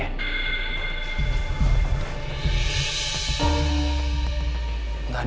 ya cukup lemah olha